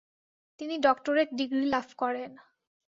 তিনি doctorate degree লাভ করেন।